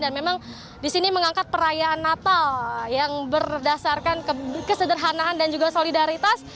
dan memang di sini mengangkat perayaan natal yang berdasarkan kesederhanaan dan juga solidaritas